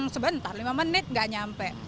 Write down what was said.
sebentar lima menit nggak nyampe